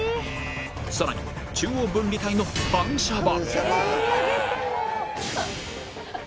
さらに中央分離帯の反射板